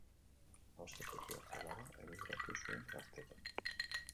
Austriatik Australiara emigratu zuen gaztetan.